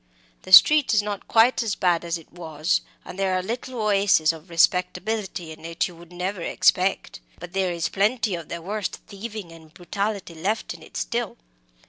The street is not quite as bad as it was; and there are little oases of respectability in it you would never expect. But there is plenty of the worst thieving and brutality left in it still.